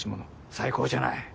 最高じゃない。